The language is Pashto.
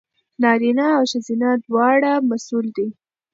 نارینه او ښځینه دواړه مسوول دي.